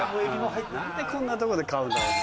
何でこんな所で買うんだろうな。